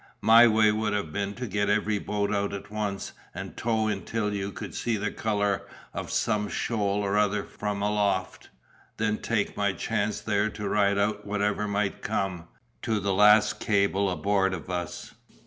My way would have been to get every boat out at once, and tow in till you could see the color of some shoal or other from aloft, then take my chance there to ride out whatever might come, to the last cable aboard of us.